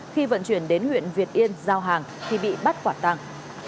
khi vận chuyển đến huyện việt yên giao hàng thì bị bắt quả tăng